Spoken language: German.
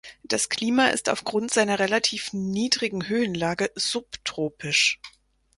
Das Klima ist aufgrund seiner relativ niedrigen Höhenlage subtropisch.